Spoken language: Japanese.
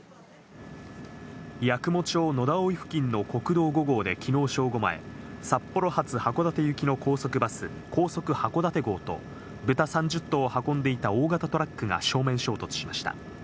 八雲町野田生付近の国道５号できのう正午前、札幌発函館行きの高速バス、高速はこだて号と、豚３０頭を運んでいた大型トラックが正面衝突しました。